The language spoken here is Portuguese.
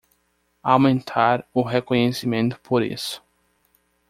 Aumentar o reconhecimento por isso